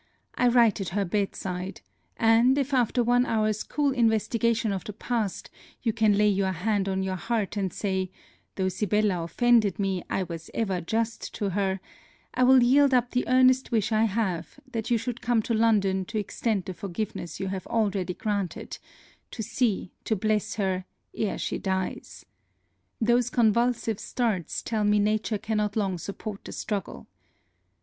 I write at her bed side; and, if after one hour's cool investigation of the past, you can lay your hand on your heart and say, though Sibella offended me I was ever just to her, I will yield up the earnest wish I have, that you should come to London to extend the forgiveness you have already granted, to see, to bless her, e'er she dies. Those convulsive starts tell me nature cannot long support the struggle.